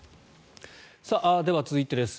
では、続いてです。